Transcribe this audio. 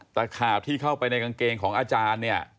ตะขาบที่เข้าไปในกางเกงของอาจารย์